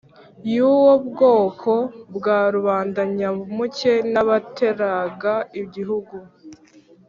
y'uwo bwoko bwa rubanda nyamuke n'abateraga igihugu.